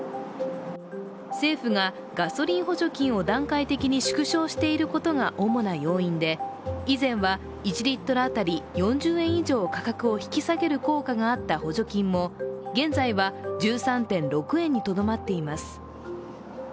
政府がガソリン補助金を段階的に縮小していることが主な要因で、以前は１リットル当たり４０円以上価格を引き下げる効果があった補助金も現在は１３．６円にとどまっています。